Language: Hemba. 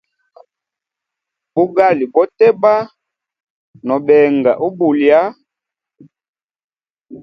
Bugali boteba, no benga ubulya.